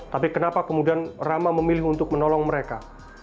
tapi kenapa kemudian rama memilih untuk menolong mereka